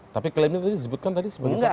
tapi klaimnya tadi disebutkan tadi sebagai saksi